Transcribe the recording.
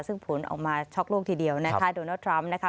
ซึ่งผลออกมาช็อกโลกทีเดียวนะคะโดนัลดทรัมป์นะคะ